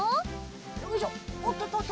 よいしょおっとっとっと。